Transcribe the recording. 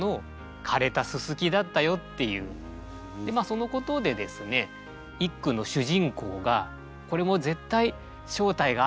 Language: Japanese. そのことでですね一句の主人公が「これも絶対正体があるはずだ。